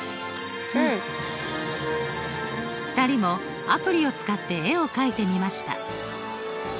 ２人もアプリを使って絵をかいてみました。